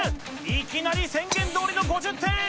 いきなり宣言どおりの５０点。